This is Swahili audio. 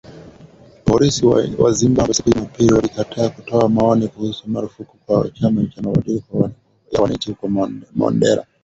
Polisi wa Zimbabwe, siku ya Jumapili walikataa kutoa maoni kuhusu marufuku kwa chama cha mabadiliko ya wananchi huko Marondera.